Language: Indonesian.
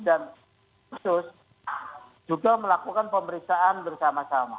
dan sus juga melakukan pemeriksaan bersama sama